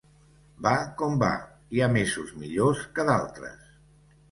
Va com va, hi ha mesos millors que d'altres.